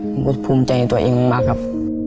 ผมก็ภูมิใจในตัวเองมากครับ